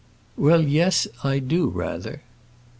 "Well, yes; I do, rather."